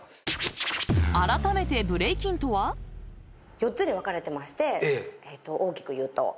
４つで分かれてまして大きく言うと。